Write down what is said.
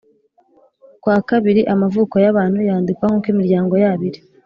kwa kabiri amavuko y’abantu yandikwa nk’uko imiryango yabo iri